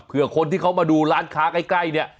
เพื่อคนที่เขามาดูร้านค้าใกล้เนี่ย